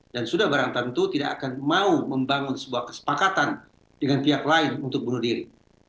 dan sudah barang tentu tidak akan mau membangun sebuah kesepakatan dengan pihak lain untuk bunuh diri